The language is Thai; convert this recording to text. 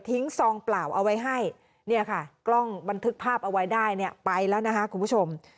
ซองเปล่าเอาไว้ให้เนี่ยค่ะกล้องบันทึกภาพเอาไว้ได้เนี่ยไปแล้วนะคะคุณผู้ชม